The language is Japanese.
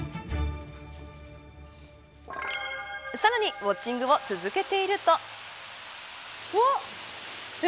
さらにウオッチングを続けていると。